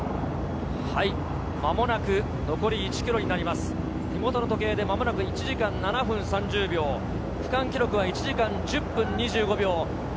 間もなく残り１ｋｍ、手元の時計で間もなく１時間７分３０秒、区間記録は１時間１０分２５秒。